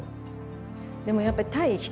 でもやっぱり対「人」？